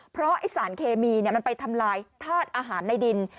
เพราะไอ้สารเคมีมันไปทำลายธาตุอาหารในดิน